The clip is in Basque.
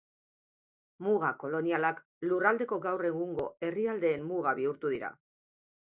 Muga kolonialak, lurraldeko gaur egungo herrialdeen muga bihurtu dira.